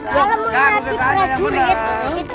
kala mau ngelarik ke raja juri itu